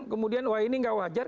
kemudian wah ini nggak wajar